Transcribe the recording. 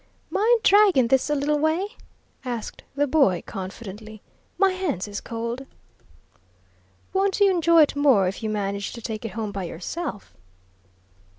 "Mind draggin' this a little way?" asked the boy, confidently, "my hands is cold." "Won't you enjoy it more if you manage to take it home by yourself?"